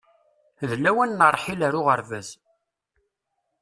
D lawan n ṛṛḥil ar uɣerbaz.